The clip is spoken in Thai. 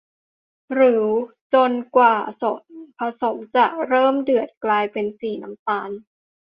หรือจนกว่าส่วนผสมจะเริ่มเดือดกลายเป็นสีน้ำตาล